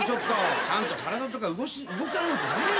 ちゃんと体とか動かないと駄目よ